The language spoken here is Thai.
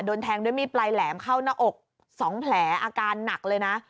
แทงด้วยมีดปลายแหลมเข้าหน้าอก๒แผลอาการหนักเลยนะ